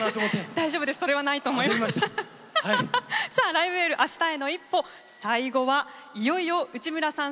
「ライブ・エール明日への一歩」最後は、いよいよ内村さん